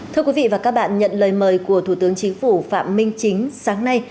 thưa quý vị và các bạn nhận lời mời của thủ tướng chính phủ phạm minh chính sáng nay